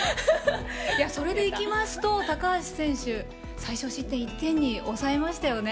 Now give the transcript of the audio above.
それでいきますと高橋選手最少失点、１点に抑えましたね。